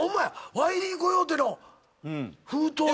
ワイリー・コヨーテの封筒だ。